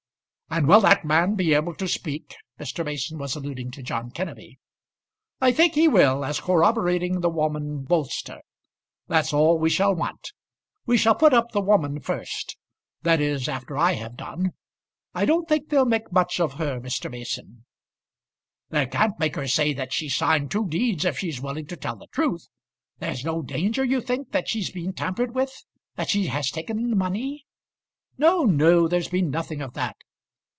"And will that man be able to speak?" Mr. Mason was alluding to John Kenneby. "I think he will, as corroborating the woman Bolster. That's all we shall want. We shall put up the woman first; that is, after I have done. I don't think they'll make much of her, Mr. Mason." "They can't make her say that she signed two deeds if she is willing to tell the truth. There's no danger, you think, that she's been tampered with, that she has taken money." "No, no; there's been nothing of that."